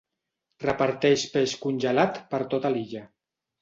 Reparteix peix congelat per tota l'illa.